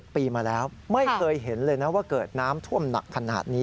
ปีมาแล้วไม่เคยเห็นเลยนะว่าเกิดน้ำท่วมหนักขนาดนี้